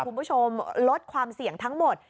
คุณผู้ชมลดความเสี่ยงทั้งหมด